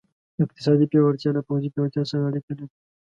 اقتصادي پیاوړتیا له پوځي پیاوړتیا سره اړیکه لري.